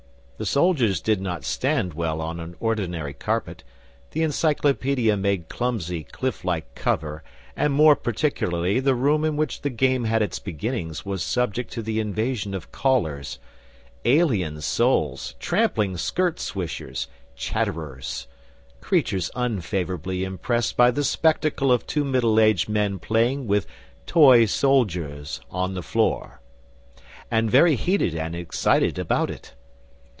The soldiers did not stand well on an ordinary carpet, the Encyclopedia made clumsy cliff like "cover", and more particularly the room in which the game had its beginnings was subject to the invasion of callers, alien souls, trampling skirt swishers, chatterers, creatures unfavourably impressed by the spectacle of two middle aged men playing with "toy soldiers" on the floor, and very heated and excited about it.